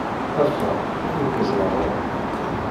Ffeɣ ur k-ẓerreɣ ara!